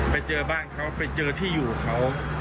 ไปเจอบ้านเขาไปเจอที่อยู่เขา